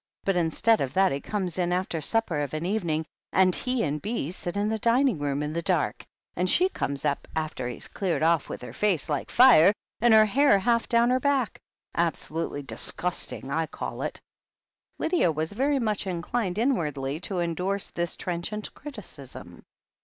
But instead of that he comes in after supper of an evening, and he and Bee sit in the dining room in 204 THE HEEL OF ACHILLES the dark, and she comes up after he's cleared off with her face like fire and her hair half down her back. Absolutely disgusting, I call it." Lydia was very much inclined inwardly to endorse, this trenchant criticism.